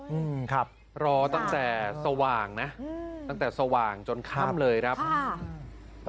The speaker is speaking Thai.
อืมครับรอตั้งแต่สว่างนะอืมตั้งแต่สว่างจนค่ำเลยครับอ่า